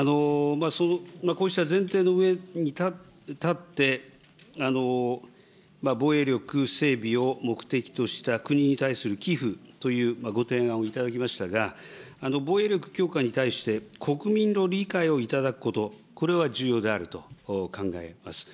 こうした前提の上に立って、防衛力整備を目的とした国に対する寄付というご提案を頂きましたが、防衛力強化に対して、国民の理解を頂くこと、これは重要であると考えます。